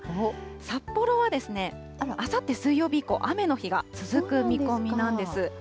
札幌はですね、あさって水曜日以降、雨の日が続く見込みなんです。